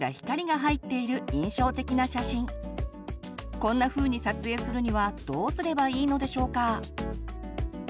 こんなふうに撮影するにはどうすればいいのでしょうか？